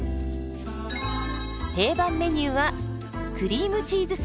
定番メニューはクリームチーズサーモン。